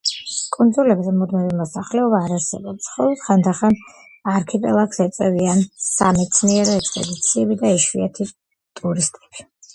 კუნძულებზე მუდმივი მოსახლეობა არ არსებობს, მხოლოდ ხანდახან არქიპელაგს ეწვევიან სამეცნიერო ექსპედიციები და იშვიათი ტურისტები.